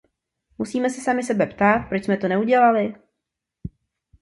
Musíme se sami sebe ptát, proč jsme to neudělali?